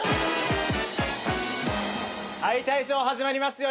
解体ショー始まりますよ。